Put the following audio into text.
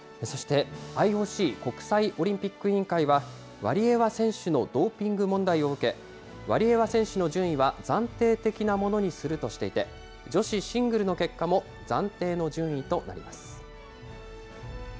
そしてＩＯＣ・国際オリンピック委員会は、ワリエワ選手のドーピング問題を受け、ワリエワ選手の順位は暫定的なものにするとしていて、女子シングルの結果も暫定の順位となります。